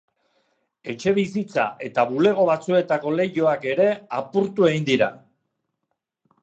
Etxebizitza eta bulego batzuetako leihoak ere apurtu egin dira.